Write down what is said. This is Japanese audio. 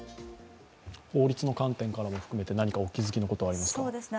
法律の観点からも含めて何かお気付きのことはありますか。